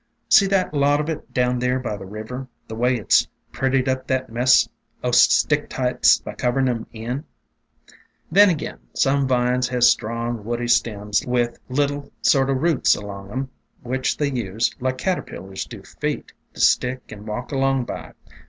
See that lot of it down there by the river, the way it 's prettied up that mess o' Sticktights by coverin' 'em in ? "Then, again, some vines has strong, woody stems with little sort o' roots along 'em which they use, like caterpillars do feet, to stick and walk along by.